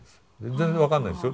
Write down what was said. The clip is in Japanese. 全然分かんないんですよ。